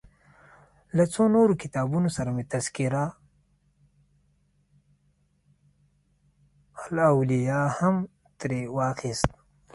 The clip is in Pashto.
له څو نورو کتابونو سره مې تذکرة الاولیا هم ترې واخیست.